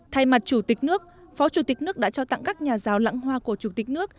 thay mặt chủ tịch nước phó chủ tịch nước đã trao tặng các nhà giáo lãng hoa của chủ tịch nước